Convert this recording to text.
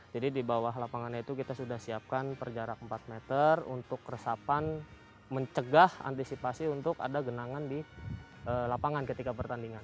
jadi di bawah lapangannya itu kita sudah siapkan perjarak empat meter untuk resapan mencegah antisipasi untuk ada genangan di lapangan ketika pertandingan